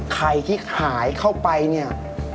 ไข่ที่หายเข้าไปเนี่ย